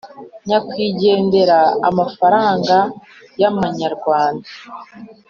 nyakwigendera amafaranga y amanyarwanda